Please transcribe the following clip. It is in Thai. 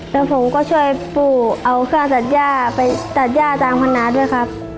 แล้วผมก็ช่วยปู่เอาค่าตัดย่าไปตัดย่าตามพนาด้วยครับ